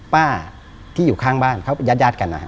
ป้าที่อยู่ข้างบ้านเขายาดกันนะ